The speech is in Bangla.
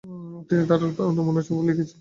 তিনি তার অনেক উপন্যাস লিখেছিলেন।